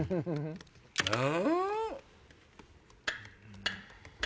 うん？